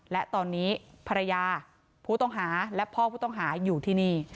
และตอนนี้ภรรยาผู้ต้องหาและพ่อผู้ต้องหาอยู่ที่นี่